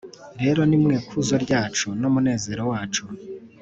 Rero ni mwe kuzo ryacu n umunezero wacu